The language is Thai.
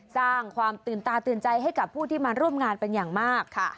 สร้างความตื่นตาตื่นใจให้กับผู้ที่มาร่วมงานเป็นอย่างมาก